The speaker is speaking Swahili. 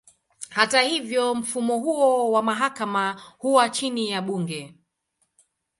Hata hivyo, mfumo huo wa mahakama huwa chini ya bunge.